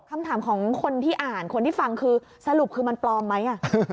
คำถามของคนที่อ่านคนที่ฟังคือสรุปคือมันปลอมไหม